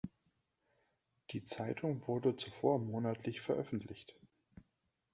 Die Zeitung wurde zuvor monatlich veröffentlicht.